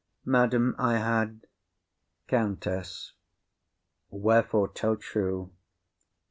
Madam, I had. COUNTESS. Wherefore? tell true.